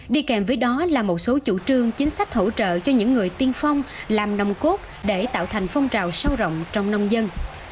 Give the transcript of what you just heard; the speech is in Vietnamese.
đi kèm với đó là một số chủ trương chính sách hỗ trợ cho những người tiên phong làm nông cốt để tạo thành phong trào sâu rộng trong nông dân